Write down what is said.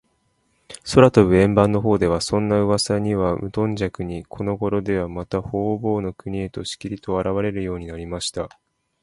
空とぶ円盤のほうでは、そんなうわさにはむとんじゃくに、このごろでは、また、ほうぼうの国へと、しきりと、あらわれるようになりました。